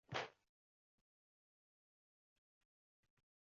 Boshingni ko‘tarib gapir o‘g‘lim!